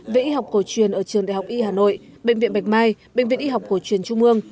về y học cổ truyền ở trường đại học y hà nội bệnh viện bạch mai bệnh viện y học cổ truyền trung mương